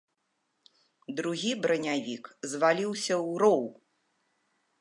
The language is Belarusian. Другі бранявік зваліўся ў роў.